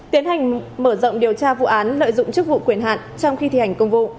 tiến hành mở rộng điều tra vụ án lợi dụng chức vụ quyền hạn trong khi thi hành công vụ